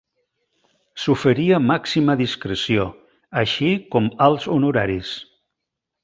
S’oferia màxima discreció, així com alts honoraris.